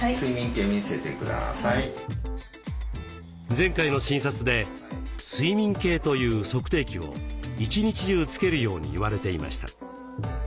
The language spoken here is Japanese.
前回の診察で睡眠計という測定器を一日中つけるように言われていました。